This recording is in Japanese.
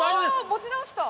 持ち直した。